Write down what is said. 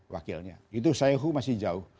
wakilnya itu sae hoo masih jauh